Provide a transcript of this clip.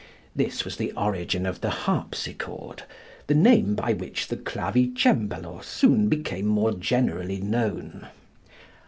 This was the origin of the harpsichord, the name by which the clavicembalo soon became more generally known.